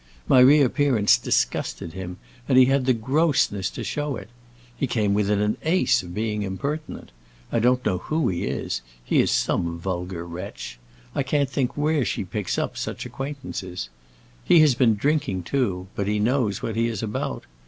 My reappearance disgusted him, and he had the grossness to show it. He came within an ace of being impertinent. I don't know who he is; he is some vulgar wretch. I can't think where she picks up such acquaintances. He has been drinking, too, but he knows what he is about.